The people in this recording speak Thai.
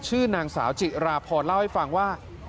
ชื่อนางสาวจิราพรเล่าให้ฟังว่า